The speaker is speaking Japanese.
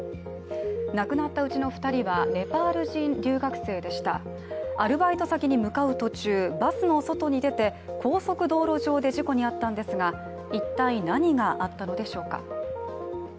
亡くなったうちの２人はネパール人留学生でしたアルバイト先に向かう途中バスの外に出て高速道路上で事故に遭ったんですが、一体、何があったんでしょうか。